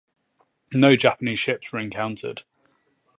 No Japanese ships were encountered.